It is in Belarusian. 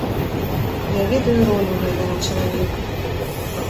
Я ведаю ролю гэтага чалавека.